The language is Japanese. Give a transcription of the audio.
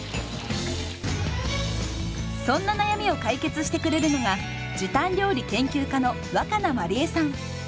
そんな悩みを解決してくれるのが時短料理研究家の若菜まりえさん。